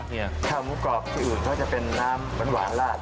ข้าวหมูกรอบที่อื่นเขาจะเป็นน้ำหวานลาด